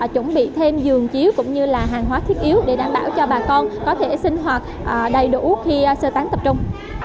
chuẩn bị thêm giường chiếu cũng như là hàng hóa thiết yếu để đảm bảo cho bà con có thể sinh hoạt đầy đủ khi sơ tán tập trung